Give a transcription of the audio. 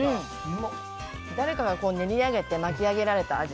誰かが練り上げて巻き上げられた味。